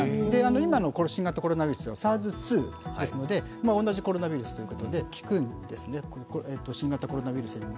今の新型コロナはＳＡＲＳ２なので同じコロナウイルスということで効くんですね、新型コロナウイルスにも。